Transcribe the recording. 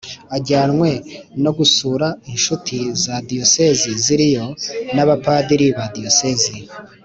ajyanwe no gusura incuti za diyosezi ziriyo, n’abapadiri ba diyosezi